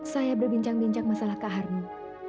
saya berbincang bincang masalah kak harno